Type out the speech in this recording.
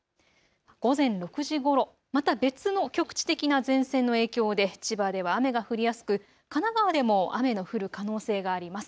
午前６時ごろ、また別の局地的な前線の影響で千葉では雨が降りやすく神奈川でも雨の降る可能性があります。